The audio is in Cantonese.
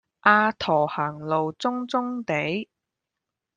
阿駝行路中中地